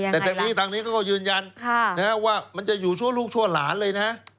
แต่ทางนี้ทางนี้เขาก็ยืนยันว่ามันจะอยู่ชั่วลูกชั่วหลานเลยนะ